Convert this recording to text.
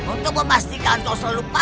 untuk memastikan sosok lupa